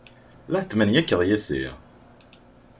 La tetmenyikeḍ yes-i?